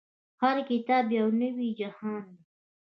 هر کتاب يو نوی جهان دی.